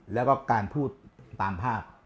แล้วก็การพูดตามภาพ